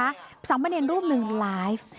วัดที่สามเมนีนรูปนึงไลฟ์